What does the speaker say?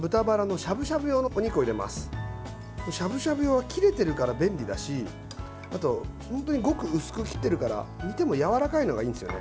しゃぶしゃぶ用は切れてるから便利だしあと、ごく薄く切ってるから煮てもやわらかいのがいいんですよね。